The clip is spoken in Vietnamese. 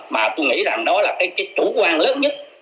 mà tôi nghĩ rằng đó là cái chủ quan lớn nhất